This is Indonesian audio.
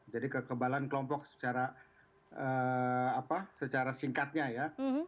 jadi kekebalan kelompok secara singkatnya ya